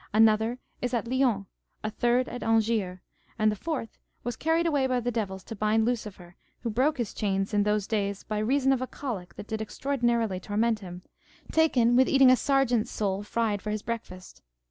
Another is at Lyons, a third at Angiers, and the fourth was carried away by the devils to bind Lucifer, who broke his chains in those days by reason of a colic that did extraordinarily torment him, taken with eating a sergeant's soul fried for his breakfast.